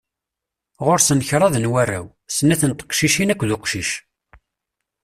Ɣur-sen kraḍ n warraw: snat n teqcicin akked uqcic.